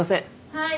はい